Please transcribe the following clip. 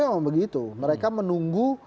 memang begitu mereka menunggu